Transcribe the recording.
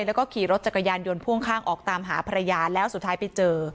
แล้วก็ขี่รถจักรยานยนต์พ่วงข้างออกตามหาภรรยาแล้วสุดท้ายไปเจอ